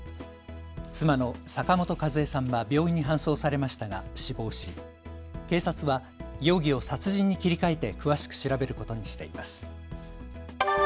妻の坂本数江さんは病院に搬送されましたが死亡し警察は容疑を殺人に切り替えて詳しく調べることにしています。